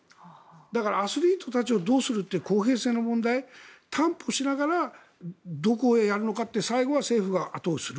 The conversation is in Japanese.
だからアスリートたちをどうするかって公平性の問題担保しながらどこへやるのか最後は政府が後押しする。